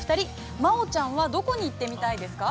真央ちゃんなら、どこに行ってみたいですか。